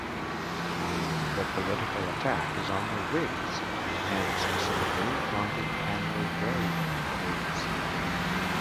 The political attack is on the Whigs, and specifically on the Hanoverian Whigs.